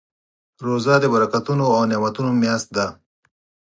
روژه د برکتونو او نعمتونو میاشت ده.